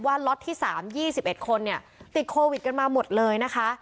ว่าล็อตที่สามยี่สิบเอ็ดคนเนี้ยติดโควิดกันมาหมดเลยนะคะ